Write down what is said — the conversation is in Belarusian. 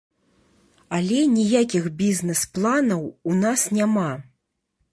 Але ніякіх бізнэс-планаў у нас няма!